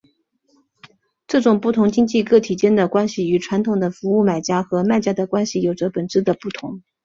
这种不同经济个体间的关系与传统的服务买家和卖家的关系有着本质的不同。